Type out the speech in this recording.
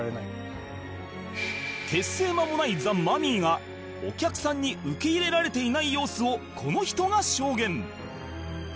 結成まもないザ・マミィがお客さんに受け入れられていない様子をこの人が証言